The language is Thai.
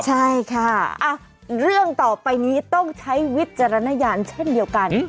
ใช่ค่ะเรื่องต่อไปนี้ต้องใช้วิจารณญาณเช่นเดียวกัน